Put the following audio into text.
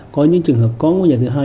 có những trường hợp có ngôi nhà thứ hai